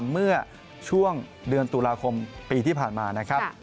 เมื่อช่วงเดือนตุลาคมปีที่ผ่านมานะครับ